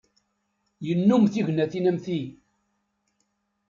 Yennum tignatin am ti.